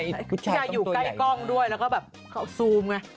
ที่นางอยู่ใกล้กล้องด้วยแล้วก็แบบเขาซูมไง